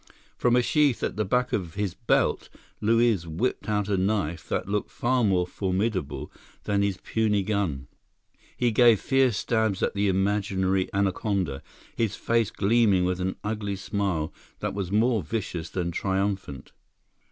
From a sheath at the back of his belt, Luiz whipped out a knife that looked far more formidable than his puny gun. He gave fierce stabs at the imaginary anaconda, his face gleaming with an ugly smile that was more vicious than triumphant.